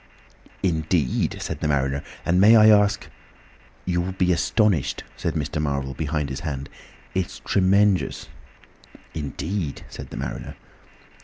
"Indeed!" said the mariner. "And may I ask—" "You'll be astonished," said Mr. Marvel behind his hand. "It's tremenjous." "Indeed!" said the mariner.